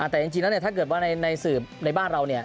แต่จริงแล้วถ้าเกิดว่าในสืบในบ้านเรา